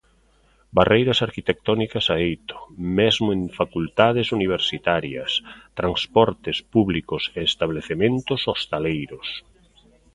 Barreiras arquitectónicas a eito, mesmo en facultades universitarias, transportes públicos e establecementos hostaleiros.